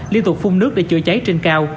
liên tục phung nước để chữa cháy trên cao